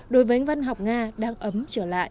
đối với văn học nga đang ấm trở lại